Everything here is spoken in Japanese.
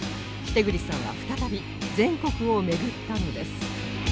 為栗さんは再び全国をめぐったのです